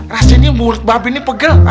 rasanya murid mbak beng ini pegel